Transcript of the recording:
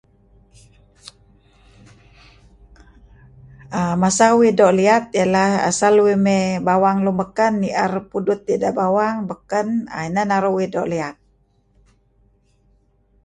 Masa uih doo' liat iahlah asal uih may bawang lun baken may nier pudut dideh bawang baken neh naru' uih doo' liat.